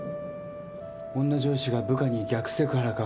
女上司が部下に逆セクハラか。